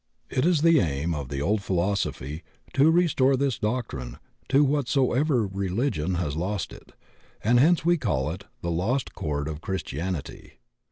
It is the aim of the old philosophy to restore this doctrine to whatsoever religion has lost it; and hence we call it the "lost chord of Christianity."